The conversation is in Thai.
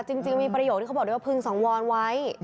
จริงมีประโยคที่เขาบอกด้วยว่าพึงสังวรไว้